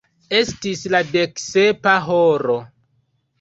Estis la dek sepa horo.